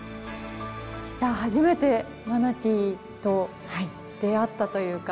初めてマナティーと出会ったというか。